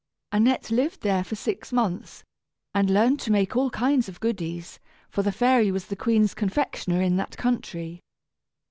Annette lived there for six months, and learned to make all kinds of goodies; for the fairy was the queen's confectioner in that country.